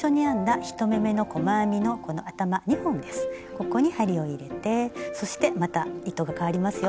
ここに針を入れてそしてまた糸がかわりますよ。